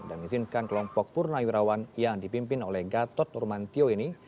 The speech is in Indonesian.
dan izinkan kelompok purna wirawan yang dipimpin oleh gatot urmantio ini